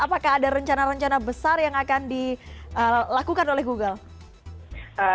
apakah ada rencana rencana besar yang akan dilakukan oleh google